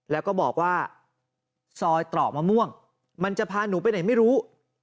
แล้วก็บอกว่าซอยตรอกมะม่วงมันจะพาหนูไปไหนไม่รู้